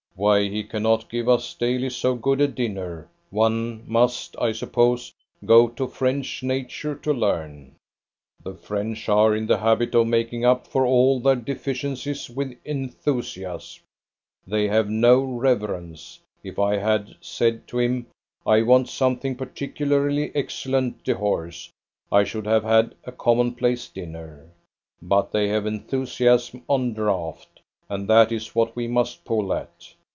"Why he cannot give us daily so good a dinner, one must, I suppose, go to French nature to learn. The French are in the habit of making up for all their deficiencies with enthusiasm. They have no reverence; if I had said to him, 'I want something particularly excellent, Dehors', I should have had a commonplace dinner. But they have enthusiasm on draught, and that is what we must pull at.